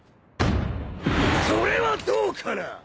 ・それはどうかな？